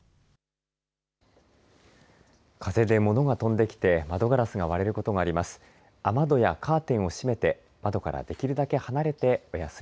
風で物が飛んできて窓ガラスが割れることがあります。